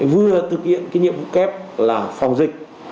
vừa thực hiện cái nhiệm vụ kép là phòng dịch